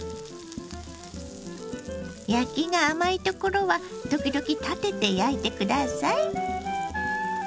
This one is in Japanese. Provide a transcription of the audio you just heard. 焼きが甘いところは時々立てて焼いて下さい。